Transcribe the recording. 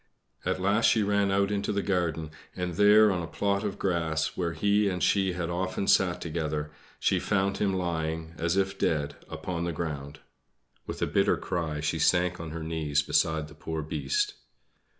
At last she ran out into the garden; and there, on a plot of grass, where he and she had often sat together, she found him lying as if dead upon the ground. With a bitter cry she sank on her knees beside the poor Beast.